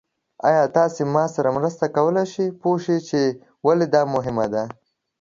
ایا تاسو ما سره مرسته کولی شئ پوه شئ چې ولې دا مهم دی؟